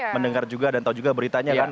mendengar juga dan tahu juga beritanya kan